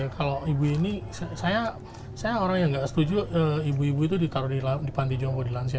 kalau ibu ini saya orang yang nggak setuju ibu ibu itu ditaruh di panti jombo di lansia